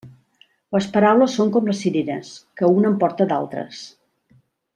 Les paraules són com les cireres, que una en porta d'altres.